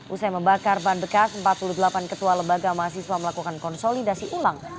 usai membakar ban bekas empat puluh delapan ketua lembaga mahasiswa melakukan konsolidasi ulang